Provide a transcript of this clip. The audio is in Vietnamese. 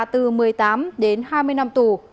từ một mươi tám hai mươi năm tù